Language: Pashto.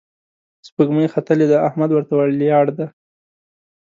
سپوږمۍ ختلې ده، احمد ورته ولياړ دی